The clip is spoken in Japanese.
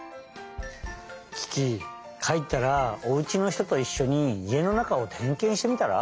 キキかえったらおうちのひとといっしょに家の中をてんけんしてみたら？